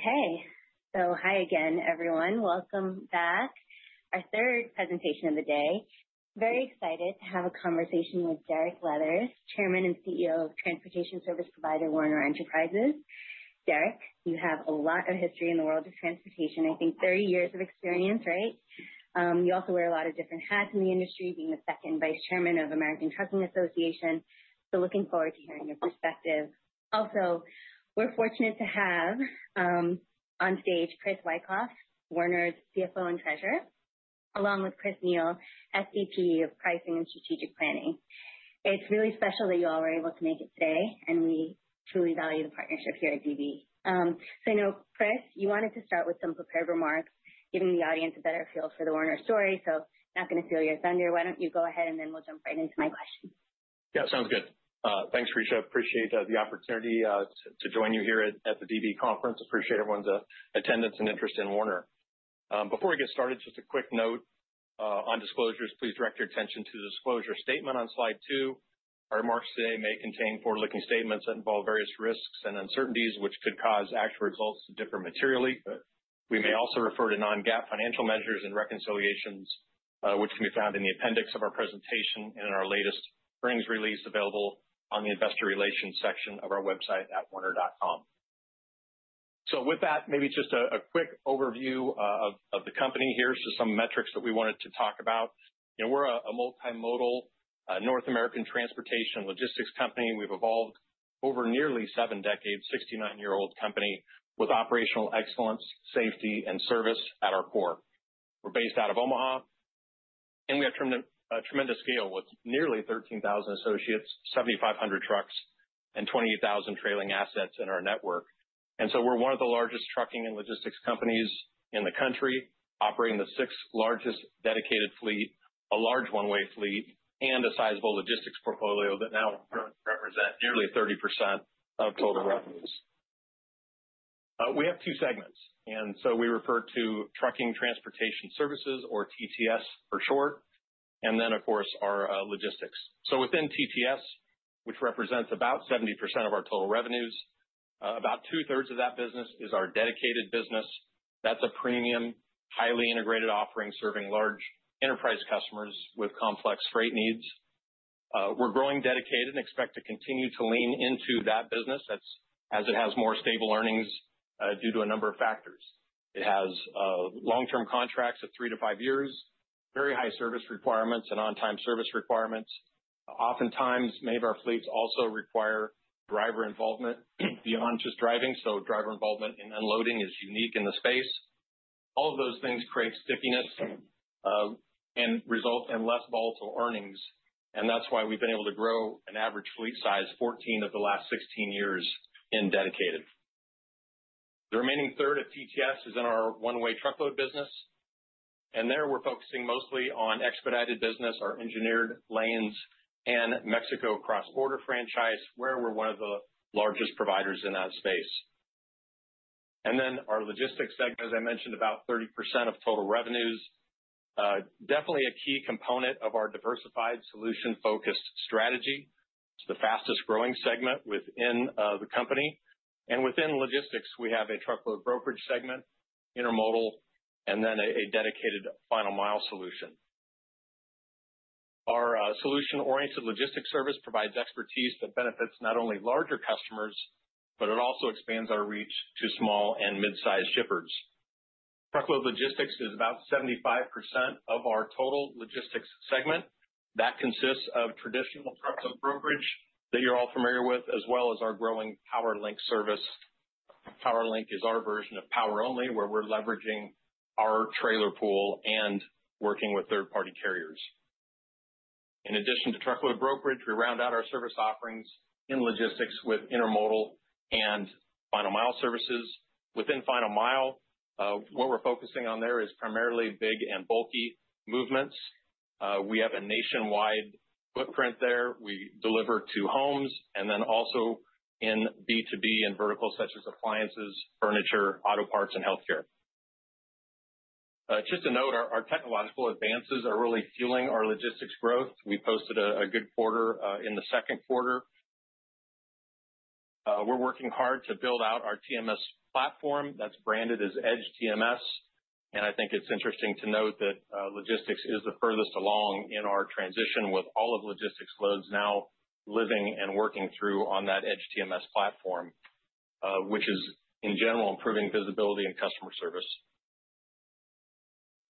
Okay. Hi again, everyone. Welcome back. Our third presentation of the day. Very excited to have a conversation with Derek Leathers, Chairman and CEO of transportation service provider Werner Enterprises. Derek, you have a lot of history in the world of transportation. I think 30 years of experience, right? You also wear a lot of different hats in the industry, being the Second Vice Chairman of the American Trucking Association. Looking forward to hearing your perspective. Also, we're fortunate to have on stage Chris Wikoff, Werner's CFO and Treasurer, along with Chris Neil, Senior Vice President of Pricing and Strategic Planning. It's really special that you all are able to make it today, and we truly value the partnership here at DB. I know, Chris, you wanted to start with some prepared remarks, giving the audience a better feel for the Werner story. I'm not going to steal your thunder. Why don't you go ahead, and then we'll jump right into my question? Yeah, sounds good. Thanks, Trisha. I appreciate the opportunity to join you here at the DB conference. Appreciate everyone's attendance and interest in Werner. Before we get started, just a quick note on disclosures. Please direct your attention to the disclosure statement on slide two. Our remarks today may contain forward-looking statements that involve various risks and uncertainties, which could cause actual results to differ materially. We may also refer to non-GAAP financial measures and reconciliations, which can be found in the appendix of our presentation and in our latest earnings release available on the Investor Relations section of our website at werner.com. With that, maybe just a quick overview of the company here. Some metrics that we wanted to talk about. We're a multimodal North American transportation logistics company. We've evolved over nearly seven decades, a 69-year-old company with operational excellence, safety, and service at our core. We're based out of Omaha, and we have a tremendous scale with nearly 13,000 associates, 7,500 trucks, and 20,000 trailing assets in our network. We're one of the largest trucking and logistics companies in the country, operating the sixth largest dedicated fleet, a large one-way fleet, and a sizable logistics portfolio that now represents nearly 30% of total revenues. We have two segments, and we refer to Trucking Transportation Services, or TTS for short, and then, of course, our logistics. Within TTS, which represents about 70% of our total revenues, about two-thirds of that business is our dedicated business. That's a premium, highly integrated offering serving large enterprise customers with complex freight needs. We're growing dedicated and expect to continue to lean into that business as it has more stable earnings due to a number of factors. It has long-term contracts of three to five years, very high service requirements and on-time service requirements. Oftentimes, many of our fleets also require driver involvement beyond just driving. Driver involvement in unloading is unique in the space. All of those things create stickiness and result in less volatile earnings. That's why we've been able to grow an average fleet size 14 of the last 16 years in dedicated. The remaining third of TTS is in our One-Way Truckload Services business. There we're focusing mostly on expedited business, our engineered lanes, and Mexico cross-border franchise, where we're one of the largest providers in that space. Our logistics segment, as I mentioned, about 30% of total revenues, is definitely a key component of our diversified solution-focused strategy. It's the fastest growing segment within the company. Within logistics, we have a Truckload Brokerage segment, Intermodal Services, and then a dedicated Final Mile Services solution. Our solution-oriented logistics service provides expertise that benefits not only larger customers, but it also expands our reach to small and mid-sized shippers. Truckload logistics is about 75% of our total logistics segment. That consists of traditional Truckload Brokerage that you're all familiar with, as well as our growing PowerLink service. PowerLink is our version of PowerOnly, where we're leveraging our trailer pool and working with third-party carriers. In addition to Truckload Brokerage, we round out our service offerings in logistics with Intermodal Services and Final Mile Services. Within Final Mile Services, what we're focusing on there is primarily big and bulky movements. We have a nationwide footprint there. We deliver to homes and also in B2B and verticals such as appliances, furniture, auto parts, and healthcare. Just to note, our technological advances are really fueling our logistics growth. We posted a good quarter in the second quarter. We're working hard to build out our EDGE TMS Platform that's branded as EDGE TMS. It's interesting to note that logistics is the furthest along in our transition, with all of logistics loads now living and working through on that EDGE TMS Platform, which is, in general, improving visibility and customer service.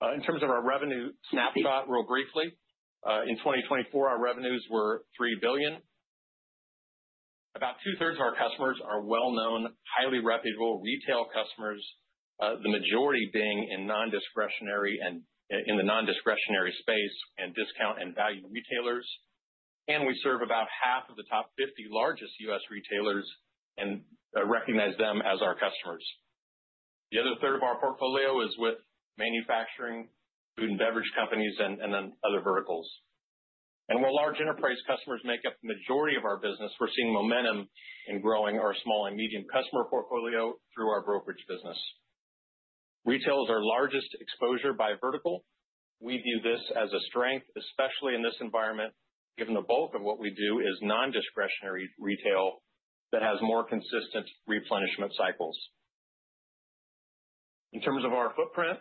In terms of our revenue snapshot, real briefly, in 2024, our revenues were $3 billion. About two-thirds of our customers are well-known, highly reputable retail customers, the majority being in nondiscretionary and in the nondiscretionary space and discount and value retailers. We serve about half of the top 50 largest U.S. retailers and recognize them as our customers. The other third of our portfolio is with manufacturing, food and beverage companies, and other verticals. While large enterprise customers make up the majority of our business, we're seeing momentum in growing our small and medium customer portfolio through our brokerage business. Retail is our largest exposure by vertical. We view this as a strength, especially in this environment, given the bulk of what we do is nondiscretionary retail that has more consistent replenishment cycles. In terms of our footprint,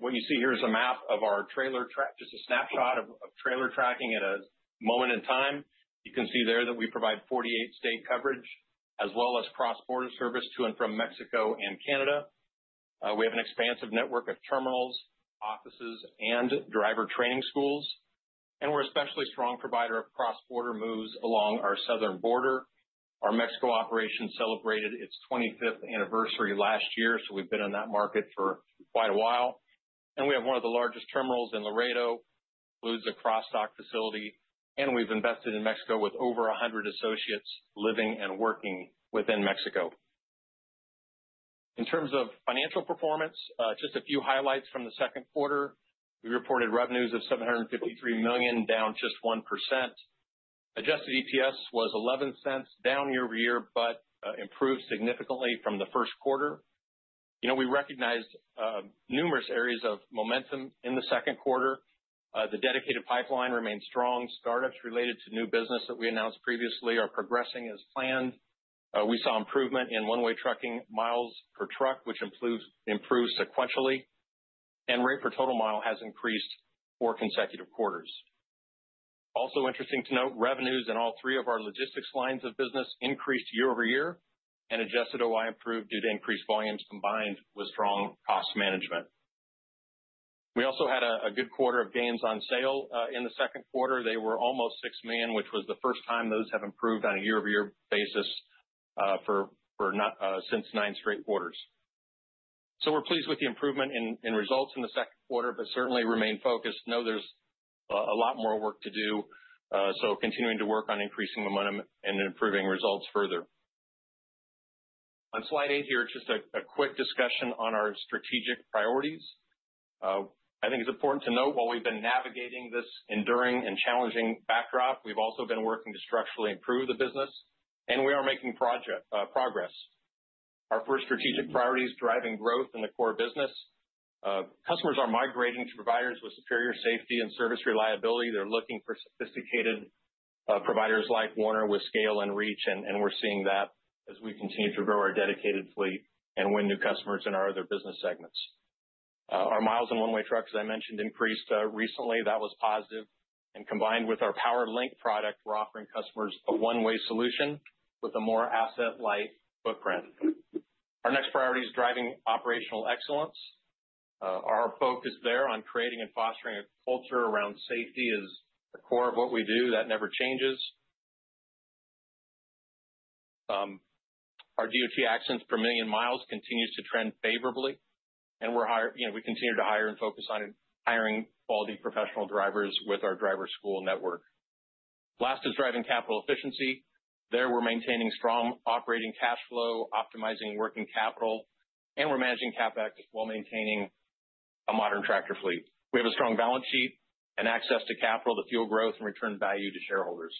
what you see here is a map of our trailer track. It's a snapshot of trailer tracking at a moment in time. You can see there that we provide 48-state coverage, as well as cross-border service to and from Mexico and Canada. We have an expansive network of terminals, offices, and driver training schools. We're an especially strong provider of cross-border moves along our southern border. Our Mexico operation celebrated its 25th anniversary last year, so we've been in that market for quite a while. We have one of the largest terminals in Laredo, includes a cross-dock facility. We've invested in Mexico with over 100 associates living and working within Mexico. In terms of financial performance, just a few highlights from the second quarter. We reported revenues of $753 million, down just 1%. Adjusted EPS was $0.11, down year over year, but improved significantly from the first quarter. We recognized numerous areas of momentum in the second quarter. The dedicated pipeline remains strong. Startups related to new business that we announced previously are progressing as planned. We saw improvement in one-way trucking miles per truck, which improves sequentially. Rate per total mile has increased four consecutive quarters. Also, interesting to note, revenues in all three of our logistics lines of business increased year over year, and adjusted OI improved due to increased volumes combined with strong cost management. We also had a good quarter of gains on sale in the second quarter. They were almost $6 million, which was the first time those have improved on a year-over-year basis since nine straight quarters. We're pleased with the improvement in results in the second quarter, but certainly remain focused. I know there's a lot more work to do, continuing to work on increasing momentum and improving results further. On slide eight here, it's just a quick discussion on our strategic priorities. I think it's important to note while we've been navigating this enduring and challenging backdrop, we've also been working to structurally improve the business, and we are making progress. Our first strategic priority is driving growth in the core business. Customers are migrating to providers with superior safety and service reliability. They're looking for sophisticated providers like Werner Enterprises with scale and reach, and we're seeing that as we continue to grow our dedicated fleet and win new customers in our other business segments. Our miles and one-way trucks, as I mentioned, increased recently. That was positive. Combined with our PowerLink product, we're offering customers a one-way solution with a more asset-light footprint. Our next priority is driving operational excellence. Our focus there on creating and fostering a culture around safety is the core of what we do. That never changes. Our DOT accidents per million miles continue to trend favorably, and we continue to hire and focus on hiring quality professional drivers with our driver school network. Last is driving capital efficiency. There, we're maintaining strong operating cash flow, optimizing working capital, and we're managing CapEx while maintaining a modern tractor fleet. We have a strong balance sheet and access to capital to fuel growth and return value to shareholders.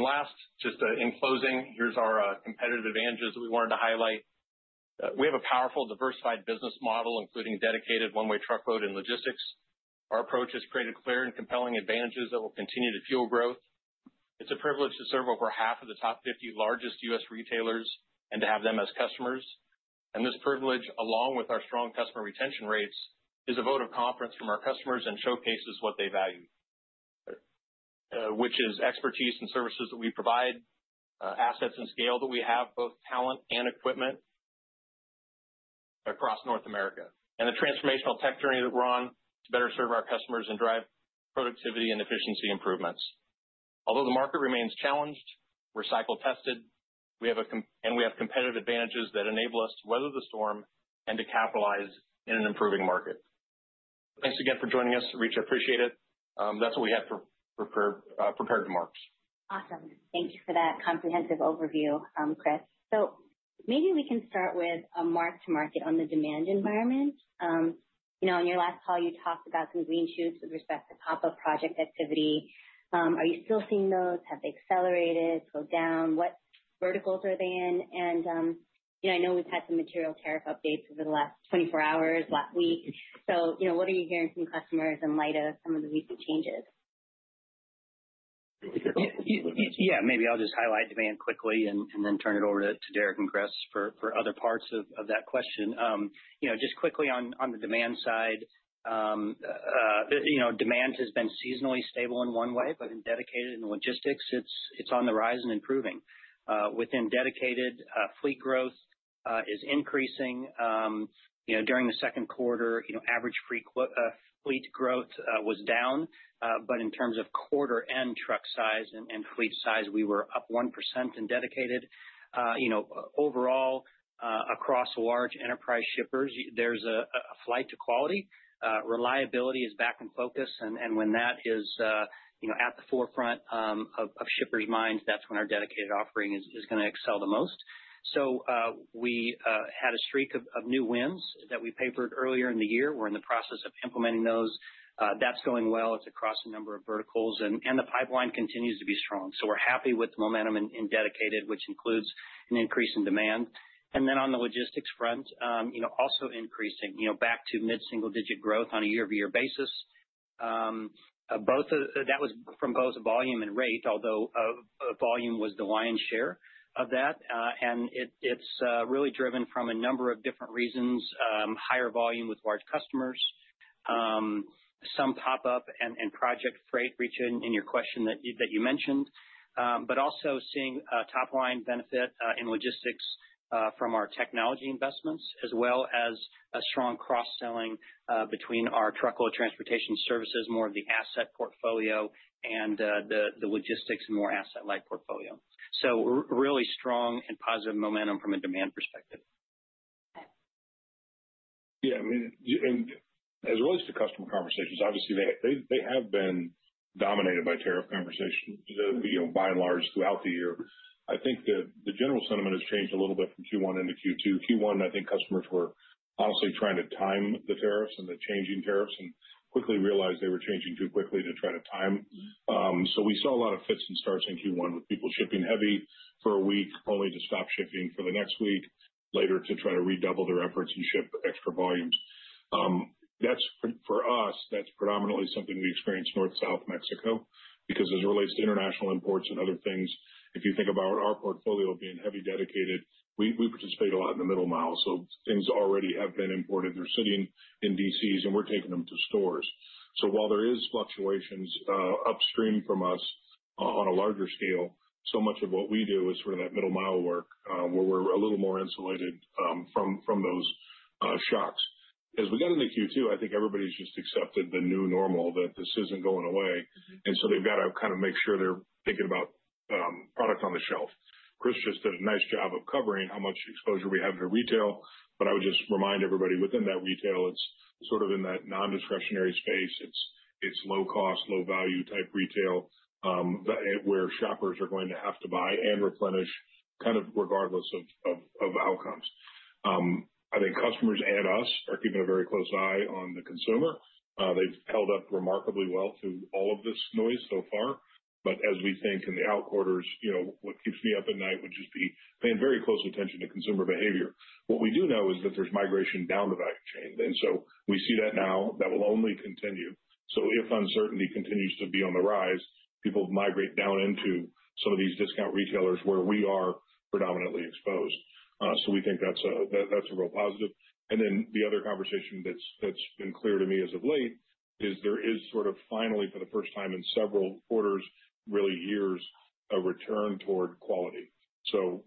Last, just in closing, here's our competitive advantages that we wanted to highlight. We have a powerful, diversified business model, including dedicated, one-way truckload, and logistics. Our approach has created clear and compelling advantages that will continue to fuel growth. It's a privilege to serve over half of the top 50 largest U.S. retailers and to have them as customers. This privilege, along with our strong customer retention rates, is a vote of confidence from our customers and showcases what they value, which is expertise and services that we provide, assets and scale that we have, both talent and equipment across North America, and the transformational tech journey that we're on to better serve our customers and drive productivity and efficiency improvements. Although the market remains challenged, we're cycle-tested, and we have competitive advantages that enable us to weather the storm and to capitalize in an improving market. Thanks again for joining us, Trisha. Appreciate it. That's what we have for prepared remarks. Awesome. Thank you for that comprehensive overview, Chris. Maybe we can start with a marked market on the demand environment. On your last call, you talked about some green shoots with respect to pop-up project activity. Are you still seeing those? Have they accelerated or slowed down? What verticals are they in? I know we've had some material tariff updates over the last 24 hours and last week. What are you hearing from customers in light of some of the recent changes? Yeah, maybe I'll just highlight demand quickly and then turn it over to Derek Leathers and Chris for other parts of that question. Just quickly on the demand side, demand has been seasonally stable in One-Way, but in Dedicated and logistics, it's on the rise and improving. Within Dedicated, fleet growth is increasing. During the second quarter, average fleet growth was down, but in terms of quarter-end truck size and fleet size, we were up 1% in Dedicated. Overall, across large enterprise shippers, there's a flight to quality. Reliability is back in focus. When that is at the forefront of shippers' minds, that's when our Dedicated offering is going to excel the most. We had a streak of new wins that we papered earlier in the year. We're in the process of implementing those. That's going well. It's across a number of verticals, and the pipeline continues to be strong. We're happy with the momentum in Dedicated, which includes an increase in demand. On the logistics front, also increasing, back to mid-single-digit growth on a year-over-year basis. Both of that was from both volume and rate, although volume was the lion's share of that. It's really driven from a number of different reasons: higher volume with large customers, some pop-up and project freight reach in your question that you mentioned, but also seeing a top-line benefit in logistics from our technology investments, as well as a strong cross-selling between our Trucking Transportation Services, more of the asset portfolio, and the logistics and more asset-light portfolio. Really strong and positive momentum from a demand perspective. Yeah, I mean, as it relates to customer conversations, obviously, they have been dominated by tariff conversations, you know, by and large throughout the year. I think the general sentiment has changed a little bit from Q1 into Q2. Q1, I think customers were honestly trying to time the tariffs and the changing tariffs and quickly realized they were changing too quickly to try to time. We saw a lot of fits and starts in Q1 with people shipping heavy for a week, only to stop shipping for the next week later to try to redouble their efforts and ship extra volume. That's for us, that's predominantly something we experienced North-South Mexico because as it relates to international imports and other things, if you think about our portfolio being heavy dedicated, we participate a lot in the middle mile. Things already have been imported or are sitting in DCs, and we're taking them to stores. While there are fluctuations upstream from us on a larger scale, so much of what we do is sort of that middle mile work where we're a little more insulated from those shocks. As we get into Q2, I think everybody's just accepted the new normal, that this isn't going away. They've got to kind of make sure they're thinking about product on the shelf. Chris just did a nice job of covering how much exposure we have to retail, but I would just remind everybody within that retail, it's sort of in that nondiscretionary space. It's low-cost, low-value type retail where shoppers are going to have to buy and replenish kind of regardless of outcomes. I think customers and us are keeping a very close eye on the consumer. They've held up remarkably well through all of this noise so far. As we think in the out quarters, what keeps me up at night would just be paying very close attention to consumer behavior. What we do know is that there's migration down the value chain. We see that now and that will only continue. If uncertainty continues to be on the rise, people migrate down into some of these discount retailers where we are predominantly exposed. We think that's a real positive. The other conversation that's been clear to me as of late is there is sort of finally, for the first time in several quarters, really years, a return toward quality.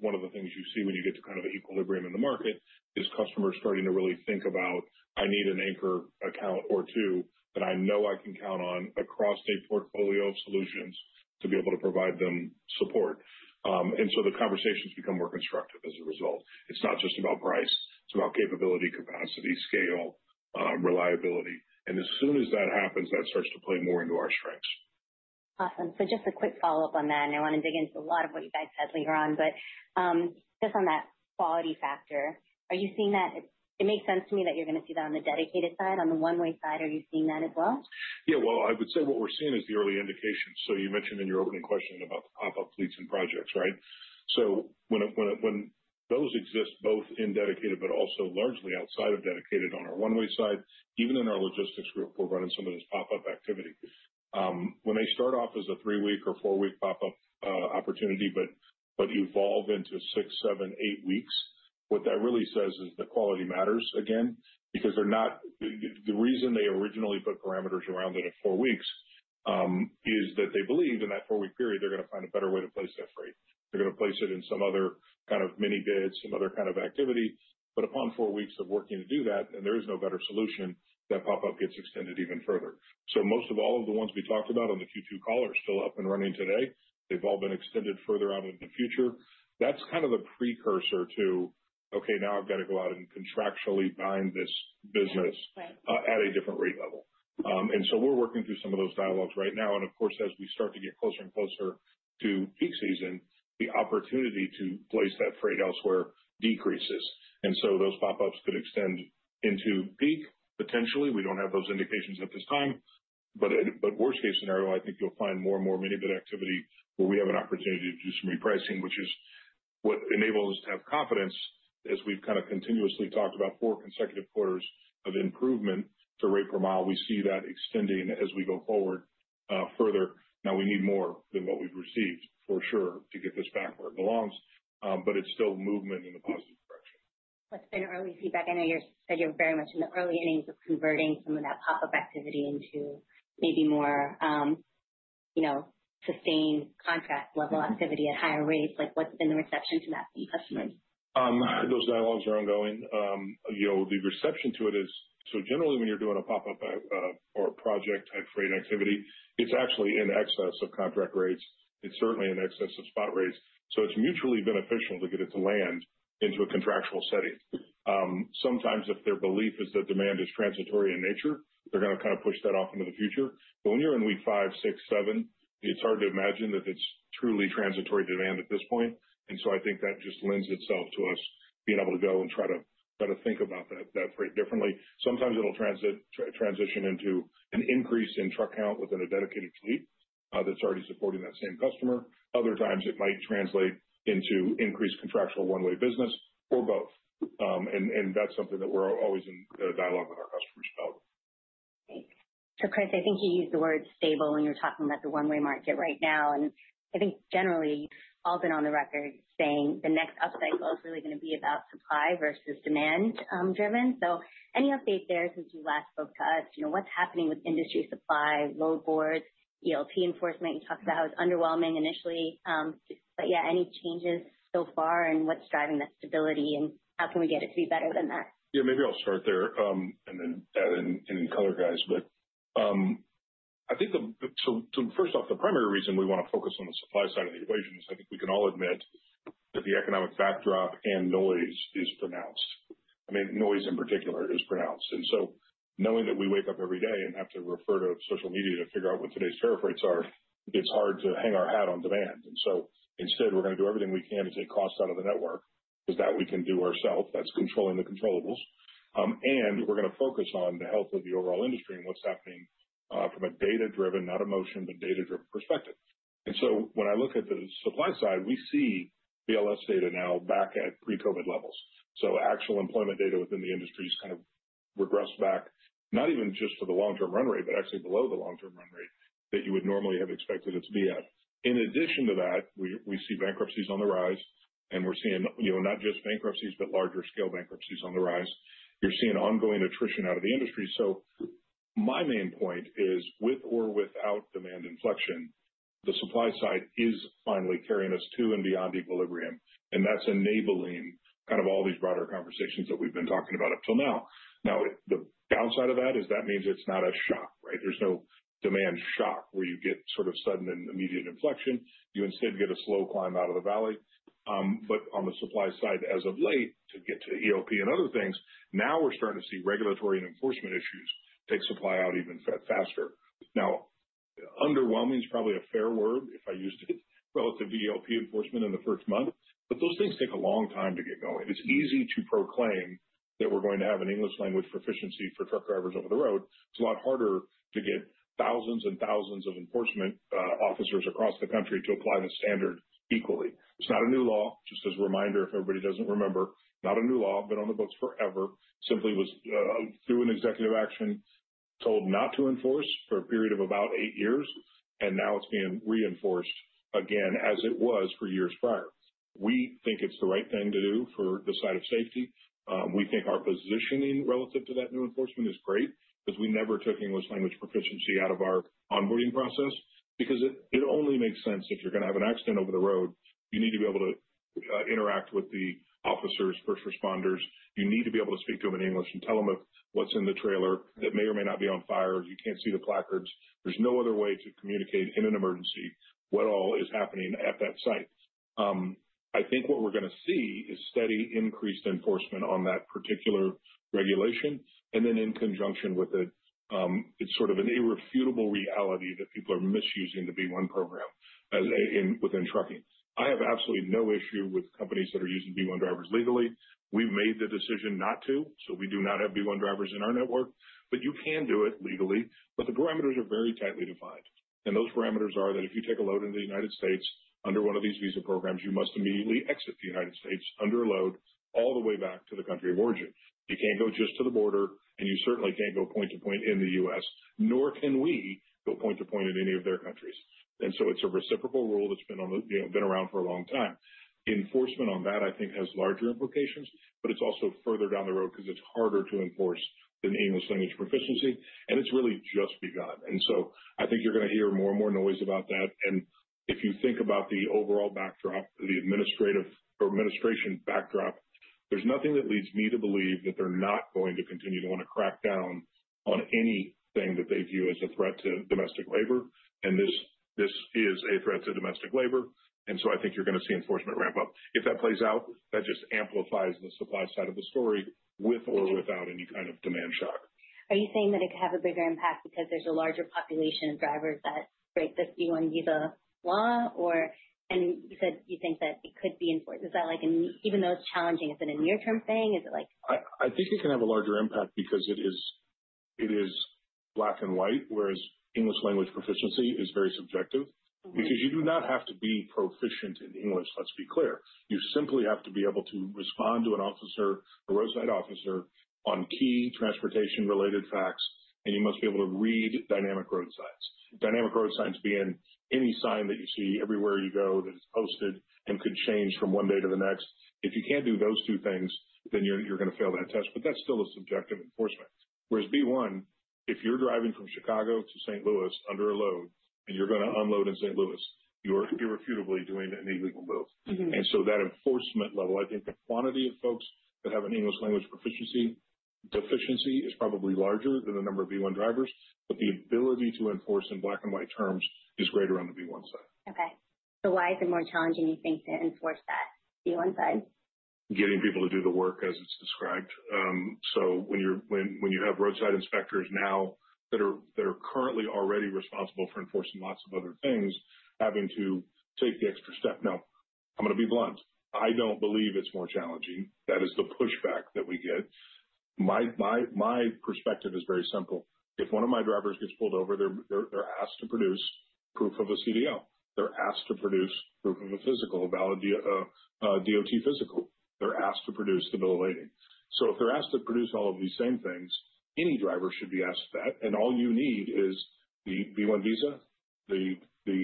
One of the things you see when you get to kind of an equilibrium in the market is customers starting to really think about, "I need an anchor account or two, but I know I can count on a cross-state portfolio of solutions to be able to provide them support." The conversations become more constructive as a result. It's not just about price. It's about capability, capacity, scale, and reliability. As soon as that happens, that starts to play more into our strengths. Awesome. Just a quick follow-up on that. I want to dig into a lot of what you guys said later on. On that quality factor, are you seeing that? It makes sense to me that you're going to see that on the dedicated side. On the one-way side, are you seeing that as well? Yeah, I would say what we're seeing is the early indications. You mentioned in your opening question about the pop-up fleets and projects, right? When those exist both in dedicated but also largely outside of dedicated on our One-Way Truckload Services side, even in our logistics group, we're running some of this pop-up activity. When they start off as a three-week or four-week pop-up opportunity but evolve into six, seven, eight weeks, what that really says is the quality matters again because the reason they originally put parameters around it at four weeks is that they believe in that four-week period they're going to find a better way to place their freight. They're going to place it in some other kind of mini bids, some other kind of activity. Upon four weeks of working to do that, and there is no better solution, that pop-up gets extended even further. Most of all of the ones we talked about on the Q2 call are still up and running today; they've all been extended further out into the future. That's kind of the precursor to, "Okay, now I've got to go out and contractually bind this business at a different rate level." We're working through some of those dialogues right now. As we start to get closer and closer to peak season, the opportunity to place that freight elsewhere decreases, and those pop-ups could extend into peak potentially. We don't have those indications at this time. Worst-case scenario, I think you'll find more and more mini bid activity where we have an opportunity to do some repricing, which is what enables us to have confidence as we've kind of continuously talked about four consecutive quarters of improvement to rate per mile. We see that extending as we go forward further. We need more than what we've received for sure to get this back where it belongs, but it's still movement in the positive direction. What's been your early feedback? I know you said you're very much in the early days of converting some of that pop-up activity into maybe more, you know, sustained contract-level activity at higher rates. What's been the reception to that from customers? Those dialogues are ongoing. You know, the reception to it is, so generally, when you're doing a pop-up or a project-type freight activity, it's actually in excess of contract rates. It's certainly in excess of spot rates. It's mutually beneficial to get it to land into a contractual setting. Sometimes, if their belief is that demand is transitory in nature, they're going to kind of push that off into the future. When you're in week five, six, seven, it's hard to imagine that it's truly transitory demand at this point. I think that just lends itself to us being able to go and try to think about that freight differently. Sometimes it'll transition into an increase in truck count within a dedicated fleet that's already supporting that same customer. Other times, it might translate into increased contractual one-way business or both. That's something that we're always in dialogue with. Chris, I think you used the word stable when you're talking about the one-way market right now. I think generally, you've all been on the record saying the next upcycle is really going to be about supply versus demand-driven. Any update there since you last spoke to us? What's happening with industry supply, load boards, ELT enforcement? You talked about how it's underwhelming initially. Any changes so far and what's driving that stability, and how can we get it to be better than that? Maybe I'll start there and then add in any color, guys. The primary reason we want to focus on the supply side of the equation is I think we can all admit that the economic backdrop and noise is pronounced. Noise in particular is pronounced. Knowing that we wake up every day and have to refer to social media to figure out what today's tariff rates are, it's hard to hang our hat on demand. Instead, we're going to do everything we can to take costs out of the network. That is what we can do ourselves. That's controlling the controllables. We're going to focus on the health of the overall industry and what's happening from a data-driven, not emotion, but data-driven perspective. When I look at the supply side, we see BLS data now back at pre-COVID levels. Actual employment data within the industry has kind of regressed back, not even just for the long-term run rate, but actually below the long-term run rate that you would normally have expected it to be at. In addition to that, we see bankruptcies on the rise, and we're seeing not just bankruptcies, but larger scale bankruptcies on the rise. You're seeing ongoing attrition out of the industry. My main point is, with or without demand inflection, the supply side is finally carrying us to and beyond equilibrium. That's enabling all these broader conversations that we've been talking about up till now. The downside of that is that means it's not a shock, right? There's no demand shock where you get sort of sudden and immediate inflection. You instead get a slow climb out of the valley. On the supply side, as of late, to get to ELP and other things, now we're starting to see regulatory and enforcement issues take supply out even faster. Underwhelming is probably a fair word if I used it relative to ELP enforcement in the first month, but those things take a long time to get going. It's easy to proclaim that we're going to have an English language proficiency for truck drivers over the road. It's a lot harder to get thousands and thousands of enforcement officers across the country to apply the standard equally. It's not a new law, just as a reminder if everybody doesn't remember. Not a new law. It's been on the books forever. Simply was through an executive action told not to enforce for a period of about eight years, and now it's being reinforced again as it was for years prior. We think it's the right thing to do for the side of safety. We think our positioning relative to that new enforcement is great because we never took English language proficiency out of our onboarding process because it only makes sense if you're going to have an accident over the road. You need to be able to interact with the officers, first responders. You need to be able to speak to them in English and tell them what's in the trailer that may or may not be on fire. You can't see the placards. There's no other way to communicate in an emergency what all is happening at that site. I think what we're going to see is steady increased enforcement on that particular regulation. In conjunction with it, it's sort of an irrefutable reality that people are misusing the B-1 program within trucking. I have absolutely no issue with companies that are using B-1 drivers legally. We've made the decision not to, so we do not have B-1 drivers in our network, but you can do it legally. The parameters are very tightly defined. Those parameters are that if you take a load into the U.S., under one of these visa programs, you must immediately exit the U.S. under a load all the way back to the country of origin. You can't go just to the border, and you certainly can't go point to point in the U.S., nor can we go point to point in any of their countries. It's a reciprocal rule that's been around for a long time. Enforcement on that, I think, has larger implications, but it's also further down the road because it's harder to enforce than the English language proficiency, and it's really just begun. I think you're going to hear more and more noise about that. If you think about the overall backdrop, the administrative or administration backdrop, there's nothing that leads me to believe that they're not going to continue to want to crack down on anything that they view as a threat to domestic labor. This is a threat to domestic labor. I think you're going to see enforcement ramp up. If that plays out, that just amplifies the supply side of the story with or without any kind of demand shock. Are you saying that it could have a bigger impact because there's a larger population of drivers that break this B-1 visa law? You said you think that it could be important. Is that, even though it's challenging, is it a near-term thing? Is it like? I think it can have a larger impact because it is black and white, whereas English language proficiency is very subjective. Because you do not have to be proficient in English, let's be clear. You simply have to be able to respond to an officer, a roadside officer, on key transportation-related facts, and you must be able to read dynamic road signs. Dynamic road signs being any sign that you see everywhere you go that's posted and could change from one day to the next. If you can't do those two things, you're going to fail that test. That's still a subjective enforcement. Whereas B-1, if you're driving from Chicago to St. Louis under a load and you're going to unload in St. Louis, you're irrefutably doing an illegal move. That enforcement level, I think the quantity of folks that have an English language proficiency deficiency is probably larger than the number of B-1 drivers, but the ability to enforce in black and white terms is greater on the B-1 side. Why is it more challenging, you think, to enforce that B-1 side? Getting people to do the work as it's described. When you have roadside inspectors now that are currently already responsible for enforcing lots of other things, having to take the extra step. I'm going to be blunt. I don't believe it's more challenging. That is the pushback that we get. My perspective is very simple. If one of my drivers gets pulled over, they're asked to produce proof of a CDL. They're asked to produce proof of a physical, a valid DOT physical. They're asked to produce the bill of lading. If they're asked to produce all of these same things, any driver should be asked that. All you need is the B-1 visa, the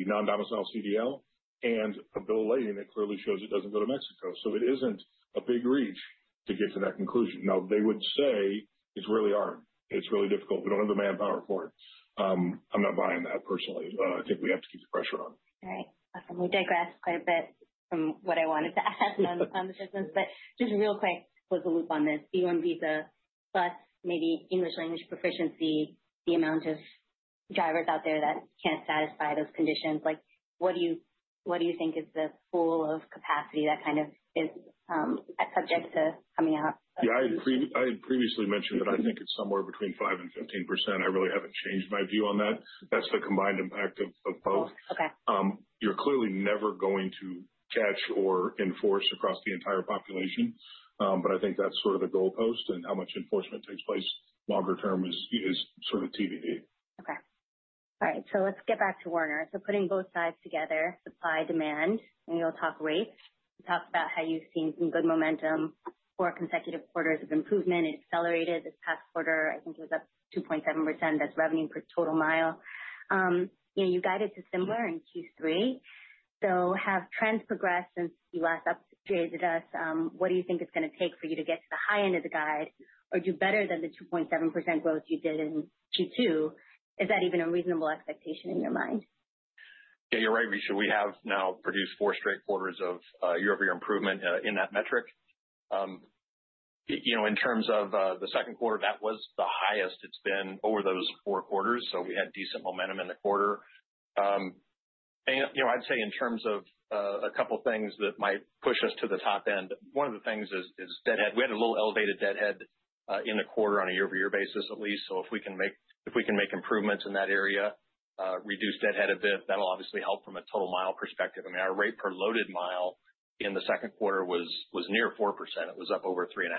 non-domicile CDL, and a bill of lading that clearly shows it doesn't go to Mexico. It isn't a big reach to get to that conclusion. They would say it's really hard. It's really difficult. We don't have the manpower for it. I'm not buying that personally. I think we have to keep the pressure on. All right. Awesome. We digressed quite a bit from what I wanted to ask on the business, but just real quick, close the loop on this. B-1 visa plus maybe English language proficiency, the amount of drivers out there that can't satisfy those conditions. What do you think is the pool of capacity that is subject to coming out? I had previously mentioned that I think it's somewhere between 5% and 15%. I really haven't changed my view on that. That's the combined impact of both. You're clearly never going to catch or enforce across the entire population. I think that's sort of the goalpost, and how much enforcement takes place longer term is sort of deviated. All right. Let's get back to Werner. Putting both sides together, supply-demand, and you'll talk rates. We talked about how you've seen some good momentum for consecutive quarters of improvement. It accelerated this past quarter. I think it was up 2.7%. That's revenue per total mile. You guided to similar in Q3. Have trends progressed since you last updated us? What do you think it's going to take for you to get to the high end of the guide or do better than the 2.7% growth you did in Q2? Is that even a reasonable expectation in your mind? Yeah, you're right, Trisha. We have now produced four straight quarters of year-over-year improvement in that metric. In terms of the second quarter, that was the highest it's been over those four quarters. We had decent momentum in the quarter. I'd say in terms of a couple of things that might push us to the top end, one of the things is deadhead. We had a little elevated deadhead in the quarter on a year-over-year basis, at least. If we can make improvements in that area, reduce deadhead a bit, that'll obviously help from a total mile perspective. Our rate per loaded mile in the second quarter was near 4%. It was up over 3.5%.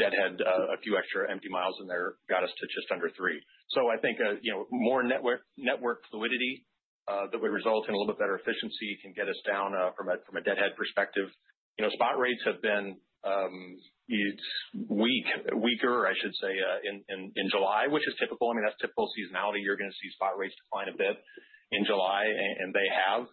Deadhead, a few extra empty miles in there got us to just under 3%. I think more network fluidity that would result in a little bit better efficiency can get us down from a deadhead perspective. Spot rates have been weaker, I should say, in July, which is typical. That's typical seasonality. You're going to see spot rates decline a bit in July, and they have.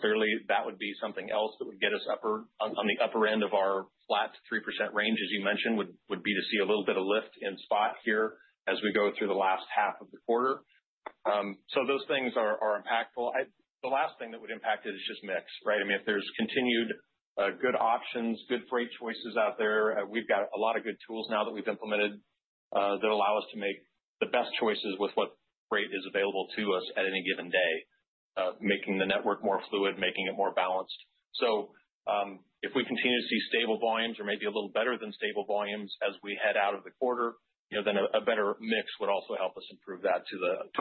Clearly, that would be something else that would get us up on the upper end of our flat 3% range, as you mentioned, would be to see a little bit of lift in spot here as we go through the last half of the quarter. Those things are impactful. The last thing that would impact it is just mix, right? If there's continued good options, good freight choices out there, we've got a lot of good tools now that we've implemented that allow us to make the best choices with what freight is available to us at any given day, making the network more fluid, making it more balanced. If we continue to see stable volumes or maybe a little better than stable volumes as we head out of the quarter, then a better mix would also help us improve that to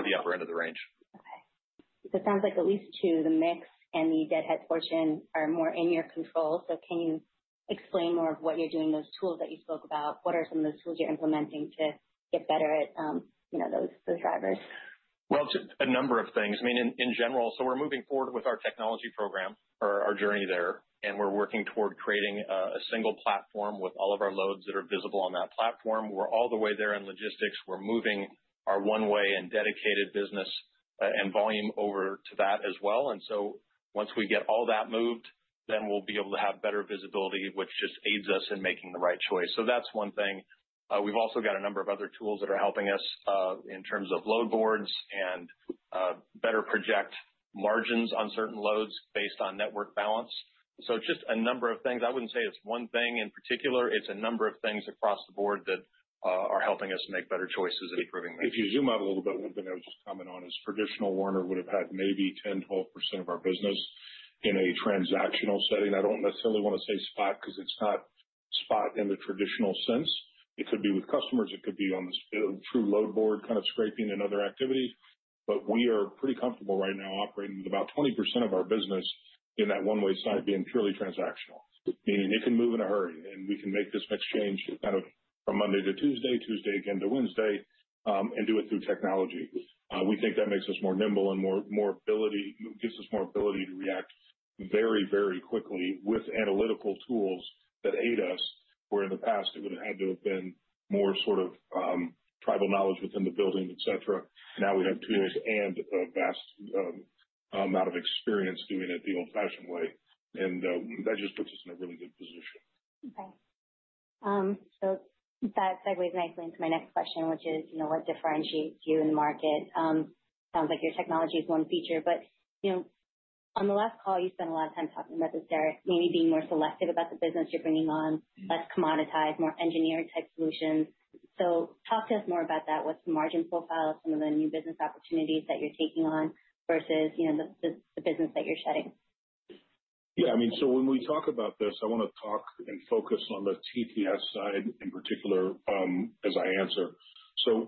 the upper end of the range. Okay. It sounds like at least two, the mix and the deadhead portion, are more in your control. Can you explain more of what you're doing in those tools that you spoke about? What are some of those tools you're implementing to get better at those drivers? It is just a number of things. I mean, in general, we are moving forward with our technology program or our journey there, and we are working toward creating a single platform with all of our loads that are visible on that platform. We are all the way there in logistics. We are moving our one-way and dedicated business and volume over to that as well. Once we get all that moved, we will be able to have better visibility, which just aids us in making the right choice. That is one thing. We have also got a number of other tools that are helping us in terms of load boards and better project margins on certain loads based on network balance. It is just a number of things. I would not say it is one thing in particular. It is a number of things across the board that are helping us make better choices and improving things. If you zoom out a little bit, one thing I was just commenting on is traditional Werner Enterprises would have had maybe 10% to 12% of our business in a transactional setting. I don't necessarily want to say spot because it's not spot in the traditional sense. It could be with customers. It could be on the true load board, kind of scraping another activity. We are pretty comfortable right now operating with about 20% of our business in that one-way side being purely transactional, meaning it can move in a hurry, and we can make this next change kind of from Monday to Tuesday, Tuesday again to Wednesday, and do it through technology. We think that makes us more nimble and gives us more ability to react very, very quickly with analytical tools that aid us, where in the past, it would have had to have been more sort of tribal knowledge within the building, etc. Now we have tools and a vast amount of experience doing it the old-fashioned way. That just puts us in a really good position. Okay. That segues nicely into my next question, which is, you know, what differentiates you in the market? It sounds like your technology is one feature. On the last call, you spent a lot of time talking about this, Derek, maybe being more selective about the business you're bringing on, best to monetize, more engineered type solutions. Talk to us more about that. What's the margin profile from the new business opportunities that you're taking on versus the business that you're shedding? Yeah, I mean, when we talk about this, I want to talk and focus on the TTS side in particular as I answer.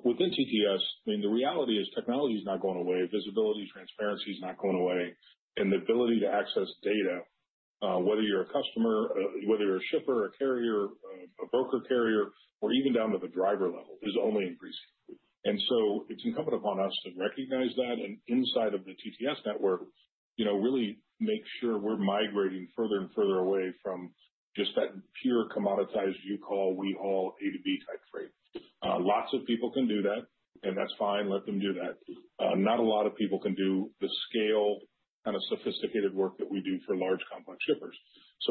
Within TTS, the reality is technology is not going away. Visibility, transparency is not going away. The ability to access data, whether you're a customer, a shipper, a carrier, a broker carrier, or even down to the driver level, is only increasing. It is incumbent upon us to recognize that. Inside of the TTS network, we really make sure we're migrating further and further away from just that pure commoditized, you call, we all A to B type freight. Lots of people can do that, and that's fine. Let them do that. Not a lot of people can do the scale, kind of sophisticated work that we do for large, complex shippers.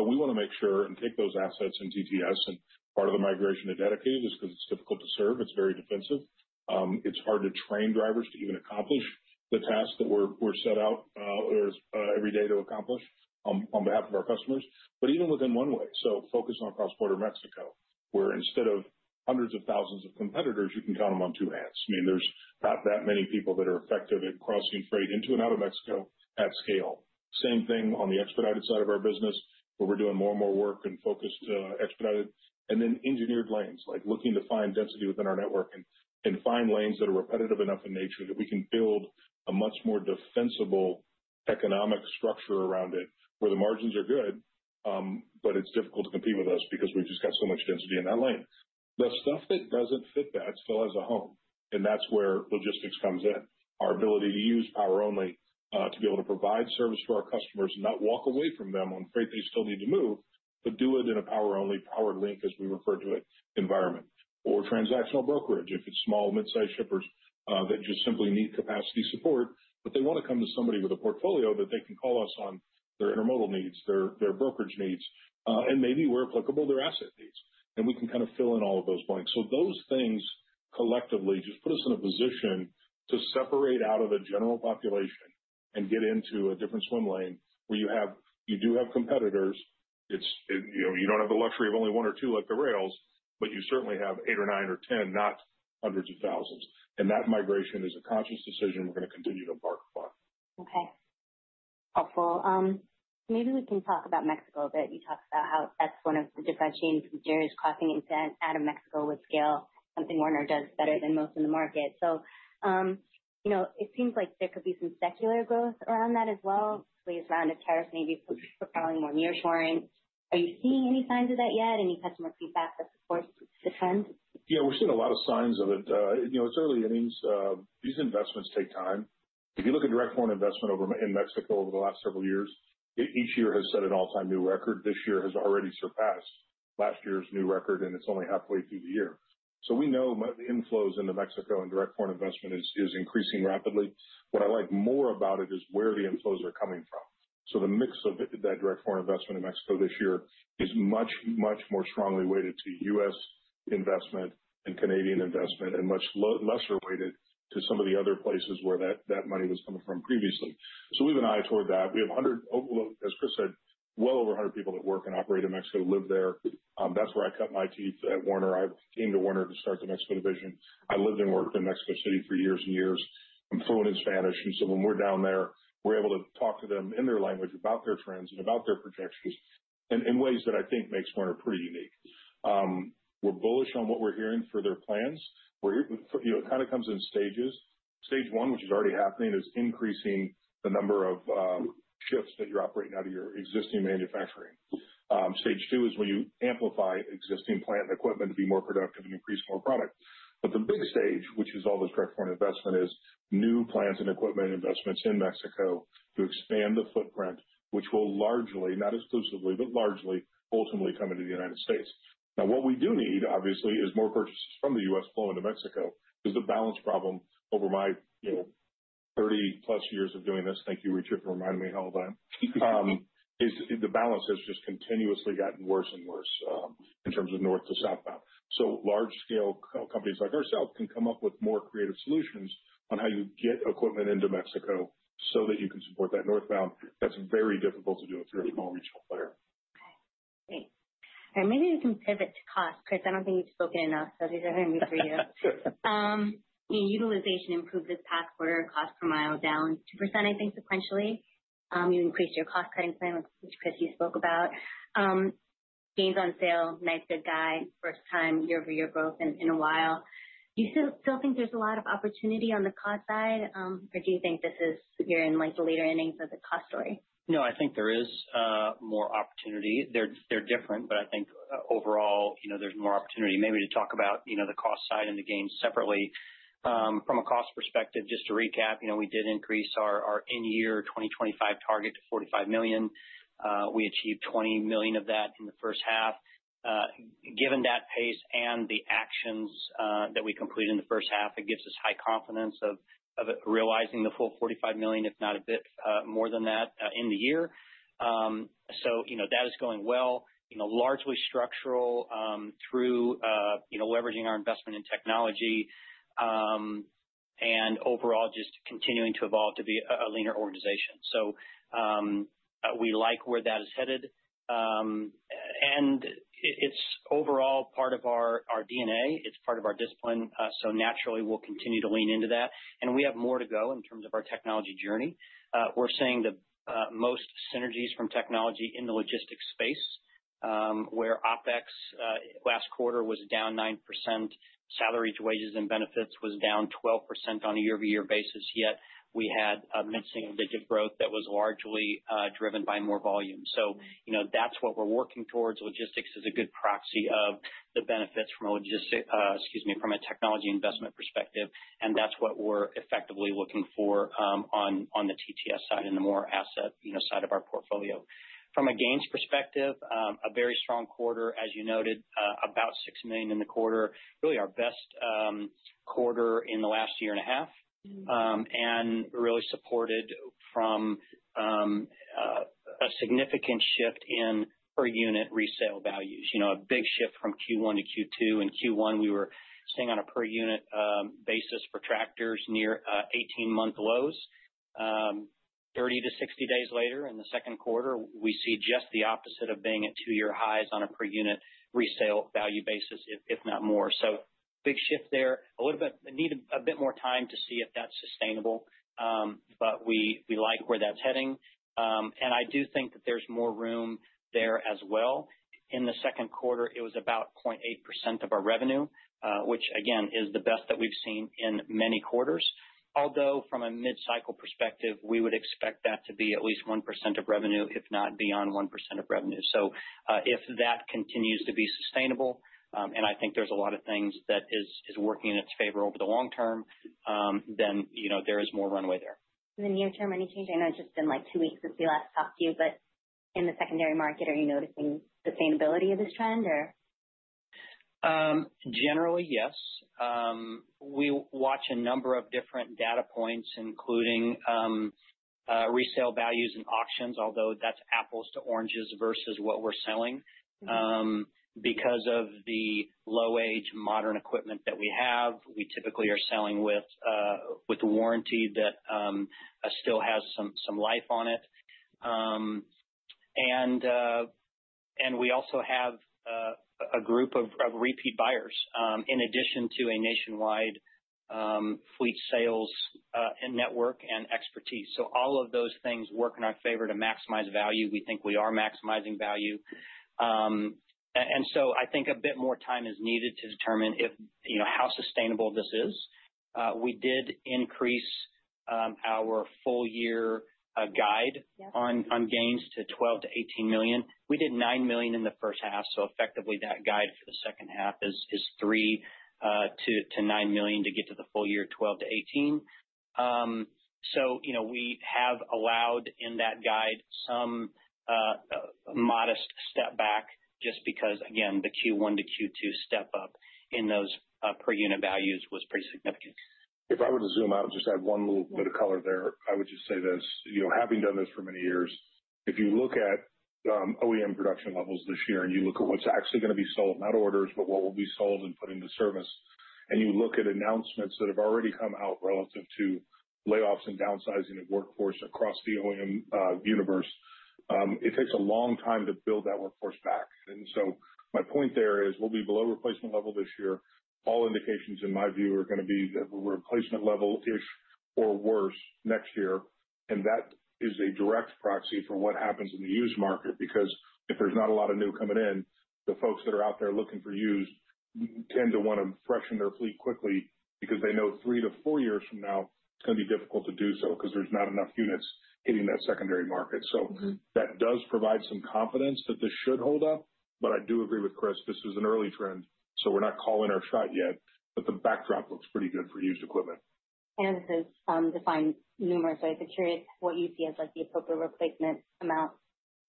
We want to make sure and take those assets in TTS, and part of the migration to dedicated is because it's difficult to serve. It's very defensive. It's hard to train drivers to even accomplish the tasks that we're set out about every day to accomplish on behalf of our customers. Even within One-Way, focus on cross-border Mexico, where instead of hundreds of thousands of competitors, you can count them on two hands. There are not that many people that are effective at crossing freight into and out of Mexico at scale. The same thing on the expedited side of our business, where we're doing more and more work and focused expedited, and then engineered lanes, like looking to find density within our network and find lanes that are repetitive enough in nature that we can build a much more defensible economic structure around it where the margins are good, but it's difficult to compete with us because we've just got so much density in that lane. The stuff that doesn't fit that still has a home. That's where logistics comes in. Our ability to use power only, to be able to provide service to our customers and not walk away from them on freight they still need to move, but do it in a power-only, PowerLink, as we refer to it, environment. Or transactional brokerage, if it's small, midsize shippers that just simply need capacity support, but they want to come to somebody with a portfolio that they can call us on their intermodal needs, their brokerage needs, and maybe where applicable, their asset needs. We can kind of fill in all of those blanks. Those things collectively just put us in a position to separate out of the general population and get into a different swim lane where you do have competitors. You don't have the luxury of only one or two like the rails, but you certainly have eight or nine or ten, not hundreds of thousands. That migration is a conscious decision we're going to continue to embark upon. Okay. Helpful. Maybe we can talk about Mexico a bit. You talked about how that's one of the differentiating features crossing into and out of Mexico with scale, something Werner does better than most in the market. It seems like there could be some secular growth around that as well, ways around the tariffs, maybe propelling more nearshoring. Are you seeing any signs of that yet? Any customer feedback that supports the trend? Yeah, we're seeing a lot of signs of it. You know, it's early. It means these investments take time. If you look at direct foreign investment in Mexico over the last several years, each year has set an all-time new record. This year has already surpassed last year's new record, and it's only halfway through the year. We know the inflows into Mexico and direct foreign investment is increasing rapidly. What I like more about it is where the inflows are coming from. The mix of that direct foreign investment in Mexico this year is much, much more strongly weighted to U.S. investment and Canadian investment and much lesser weighted to some of the other places where that money was coming from previously. We have an eye toward that. We have 100, as Chris said, well over 100 people that work and operate in Mexico, live there. That's where I cut my teeth at Werner. I've been to Werner to start the Mexico division. I've lived in Mexico City for years and years. I'm fluent in Spanish. When we're down there, we're able to talk to them in their language about their trends and about their projections in ways that I think makes Werner pretty unique. We're bullish on what we're hearing for their plans. It kind of comes in stages. Stage one, which is already happening, is increasing the number of shifts that you're operating out of your existing manufacturing. Stage two is when you amplify existing plant and equipment to be more productive and increase more product. The big stage, which is all this direct foreign investment, is new plants and equipment investments in Mexico to expand the footprint, which will largely, not exclusively, but largely, ultimately come into the United States. What we do need, obviously, is more purchases from the U.S. flowing to Mexico. It's the balance problem over my, you know, 30-plus years of doing this. Thank you, Richard, for reminding me all of that. The balance has just continuously gotten worse and worse in terms of north to southbound. Large-scale companies like ourselves can come up with more creative solutions on how you get equipment into Mexico so that you can support that northbound. That's very difficult to do in a very small region. Maybe we can pivot to cost, Chris. I don't think you've spoken enough, so these are going to be for you. Sure. Utilization improved this past quarter, cost per mile down 2% sequentially. You increased your cost-cutting plan, which Chris, you spoke about. Gains on sale, nice, good guide, first-time year-over-year growth in a while. Do you still think there's a lot of opportunity on the cost side, or do you think this is you're in like the later innings of the cost story? No, I think there is more opportunity. They're different, but I think overall, you know, there's more opportunity. Maybe to talk about the cost side and the gains separately. From a cost perspective, just to recap, we did increase our in-year 2025 target to $45 million. We achieved $20 million of that in the first half. Given that pace and the actions that we completed in the first half, it gives us high confidence of realizing the full $45 million, if not a bit more than that, in the year. That is going well, largely structural, through leveraging our investment in technology, and overall just continuing to evolve to be a leaner organization. We like where that is headed. It's overall part of our DNA. It's part of our discipline. Naturally, we'll continue to lean into that. We have more to go in terms of our technology journey. We're seeing the most synergies from technology in the logistics space, where OpEx last quarter was down 9%. Salaries, wages, and benefits were down 12% on a year-over-year basis, yet we had a mid-single-digit growth that was largely driven by more volume. That's what we're working towards. Logistics is a good proxy of the benefits from a technology investment perspective. That's what we're effectively looking for on the Trucking Transportation Services side and the more asset side of our portfolio. From a gains perspective, a very strong quarter, as you noted, about $6 million in the quarter. Really our best quarter in the last year and a half, and really supported from a significant shift in per unit resale values. A big shift from Q1 to Q2. In Q1, we were seeing on a per unit basis for tractors near 18-month lows. Thirty to sixty days later in the second quarter, we see just the opposite of being at two-year highs on a per unit resale value basis, if not more. Big shift there. Need a bit more time to see if that's sustainable, but we like where that's heading. I do think that there's more room there as well. In the second quarter, it was about 0.8% of our revenue, which again is the best that we've seen in many quarters. Although from a mid-cycle perspective, we would expect that to be at least 1% of revenue, if not beyond 1% of revenue. If that continues to be sustainable, and I think there's a lot of things that are working in its favor over the long term, then there is more runway there. In the near term, any change? I know it's just been like two weeks since we last talked to you, but in the secondary market, are you noticing sustainability of this trend? Generally, yes. We watch a number of different data points, including resale values and auctions, although that's apples to oranges versus what we're selling. Because of the low-age modern equipment that we have, we typically are selling with a warranty that still has some life on it. We also have a group of repeat buyers in addition to a nationwide fleet sales network and expertise. All of those things work in our favor to maximize value. We think we are maximizing value. I think a bit more time is needed to determine if, you know, how sustainable this is. We did increase our full-year guide on gains to $12 million to $18 million. We did $9 million in the first half. Effectively, that guide for the second half is $3 million to $9 million to get to the full year $12 million to $18 million. We have allowed in that guide some modest step back just because, again, the Q1 to Q2 step up in those per unit values was pretty significant. If I were to zoom out, just add one little bit of color there, I would just say this, you know, having done this for many years, if you look at OEM production levels this year and you look at what's actually going to be sold, not orders, but what will be sold and put into service, and you look at announcements that have already come out relative to layoffs and downsizing of workforce across the OEM universe, it takes a long time to build that workforce back. My point there is we'll be below replacement level this year. All indications in my view are going to be that we're replacement level-ish or worse next year. That is a direct proxy for what happens in the used market because if there's not a lot of new coming in, the folks that are out there looking for used, you tend to want to freshen their fleet quickly because they know three to four years from now, it's going to be difficult to do so because there's not enough units hitting that secondary market. That does provide some confidence that this should hold up. I do agree with Chris, this is an early trend. We're not calling our shot yet, but the backdrop looks pretty good for used equipment. This is defined numerous, but I'd be curious what you see as like the appropriate replacement amount.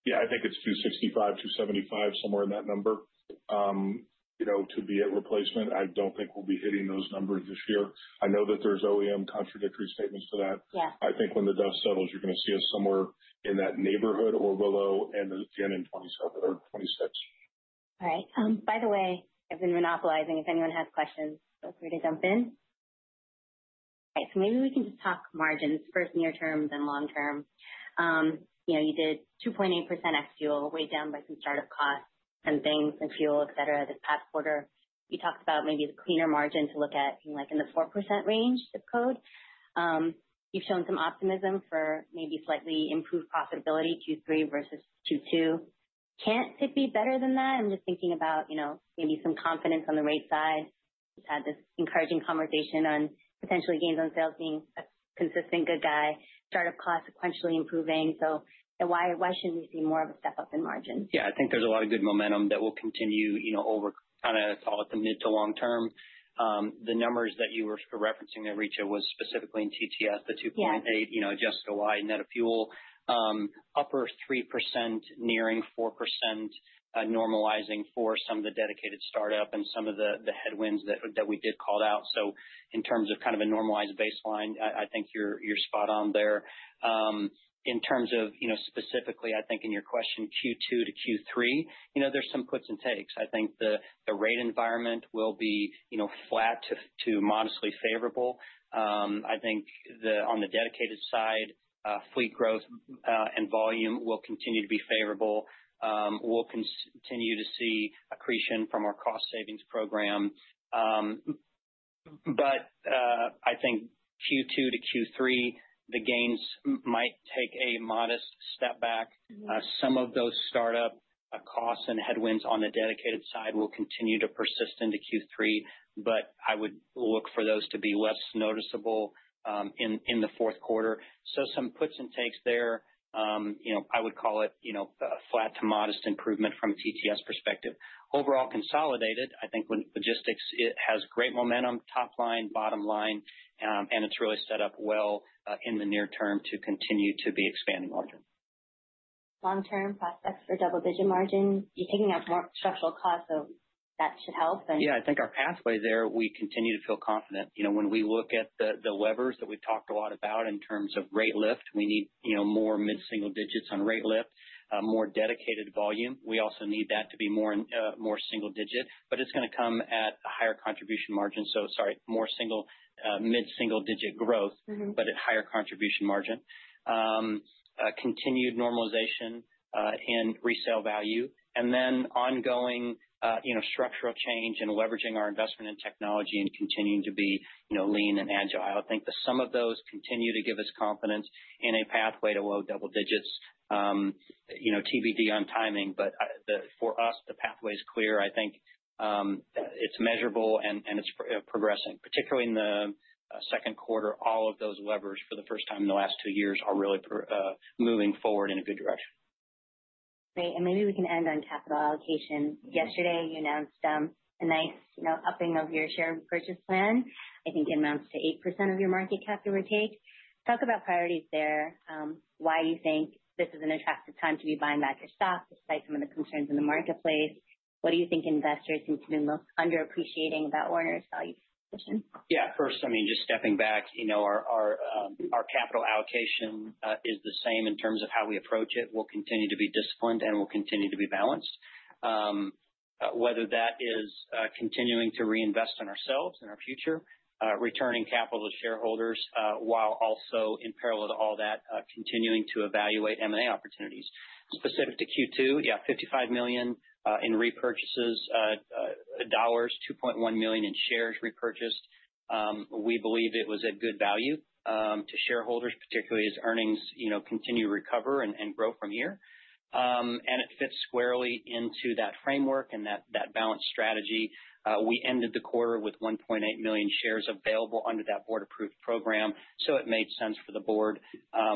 Yeah, I think it's 265, 275, somewhere in that number. To be at replacement, I don't think we'll be hitting those numbers this year. I know that there's OEM contradictory statements to that. I think when the dust settles, you're going to see us somewhere in that neighborhood or below, and again in 2027 or 2026. All right. By the way, I've been monopolizing. If anyone has questions, feel free to jump in. All right. Maybe we can just talk margins first, near term, then long term. You know, you did 2.8% ex-fuel, weighed down by some startup costs, some things, some fuel, etc., this past quarter. You talked about maybe the cleaner margin to look at, you know, like in the 4% range, zip code. You've shown some optimism for maybe slightly improved profitability Q3 versus Q2. Can't it be better than that? I'm just thinking about, you know, maybe some confidence on the right side. We've had this encouraging conversation on potentially gains on sales being a consistent good guy, startup costs sequentially improving. Why shouldn't we see more of a step up in margins? Yeah, I think there's a lot of good momentum that will continue over kind of, call it, the mid to long term. The numbers that you were referencing there, Rachel, were specifically in TTS, the $2.8 million, adjusted OI, net of fuel, upper 3%, nearing 4%, normalizing for some of the dedicated startup and some of the headwinds that we did call out. In terms of a normalized baseline, I think you're spot on there. In terms of, specifically, I think in your question, Q2 to Q3, there are some puts and takes. I think the rate environment will be flat to modestly favorable. On the dedicated side, fleet growth and volume will continue to be favorable. We'll continue to see accretion from our cost savings program. I think Q2 to Q3, the gains might take a modest step back. Some of those startup costs and headwinds on the dedicated side will continue to persist into Q3, but I would look for those to be less noticeable in the fourth quarter. There are some puts and takes there. I would call it a flat to modest improvement from a TTS perspective. Overall, consolidated, I think with logistics, it has great momentum, top line, bottom line, and it's really set up well in the near term to continue to be expanding margin. Long-term prospects for double-digit margin. You're picking up more structural costs, so that should help. Yeah, I think our pathway there, we continue to feel confident. You know, when we look at the levers that we've talked a lot about in terms of rate lift, we need, you know, more mid-single digits on rate lift, more dedicated volume. We also need that to be more in more single digit, but it's going to come at a higher contribution margin. Sorry, more single mid-single digit growth, but at higher contribution margin, continued normalization, and resale value. Then ongoing, you know, structural change and leveraging our investment in technology and continuing to be, you know, lean and agile. I think that some of those continue to give us confidence in a pathway to low double digits, you know, TBD on timing. For us, the pathway is clear. I think it's measurable and it's progressing, particularly in the second quarter. All of those levers for the first time in the last two years are really moving forward in a good direction. Great. Maybe we can end on capital allocation. Yesterday, you announced a nice upping of your share repurchase program. I think it amounts to 8% of your market cap you'll retake. Talk about priorities there. Why do you think this is an attractive time to be buying back your stock despite some of the concerns in the marketplace? What do you think investors seem to be most underappreciating about Werner Enterprises' value proposition? First, just stepping back, our capital allocation is the same in terms of how we approach it. We'll continue to be disciplined and we'll continue to be balanced, whether that is continuing to reinvest in ourselves and our future, returning capital to shareholders, while also in parallel to all that, continuing to evaluate M&A opportunities. Specific to Q2, $55 million in repurchases dollars, 2.1 million in shares repurchased. We believe it was at good value to shareholders, particularly as earnings continue to recover and grow from here. It fits squarely into that framework and that balanced strategy. We ended the quarter with 1.8 million shares available under that board-approved program. It made sense for the board,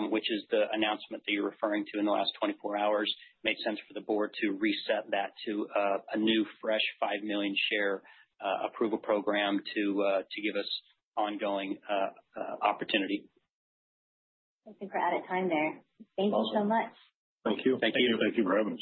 which is the announcement that you're referring to in the last 24 hours, made sense for the board to reset that to a new fresh 5 million share approval program to give us ongoing opportunity. Thank you for your time there. Thank you so much. Thank you. Thank you. Thank you for having us.